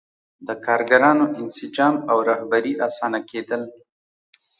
د کارګرانو انسجام او رهبري اسانه کېدل.